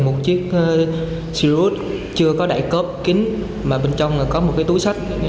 một chiếc xe rút chưa có đại cốp kín mà bên trong có một túi sách